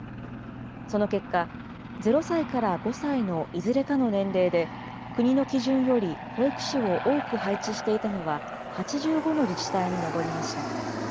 その結果、０歳から５歳のいずれかの年齢で、国の基準より保育士を多く配置していたのは、８５の自治体に上りました。